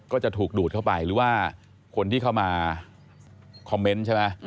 ก็จะถูกดูดเข้าไปหรือว่าคนที่เข้ามาคอมเมนต์ใช่ไหม